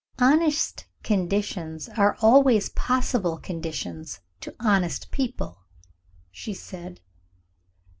"Honest conditions are always possible conditions to honest people," she said.